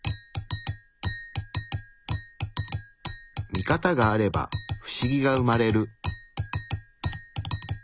ミカタがあればフシギが生まれる。